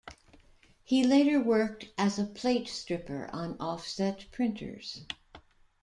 He later worked as a plate stripper on offset printers.